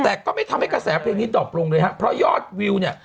แต่ก็ไม่ทำให้กระแสเพลงนี้ดอบลงเลยฮะเพราะยอดวิวเนี่ย